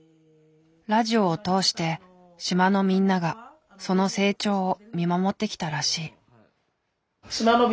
ラジオを通して島のみんながその成長を見守ってきたらしい。